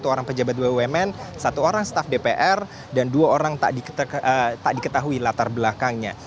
satu orang pejabat bumn satu orang staf dpr dan dua orang tak diketahui latar belakangnya